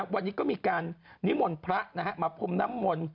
วันนี้ก็มีการนิมนต์พระมาพรมน้ำมนต์